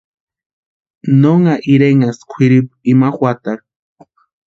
Nónha irenhasti kwʼiripuecha ima juatarhu.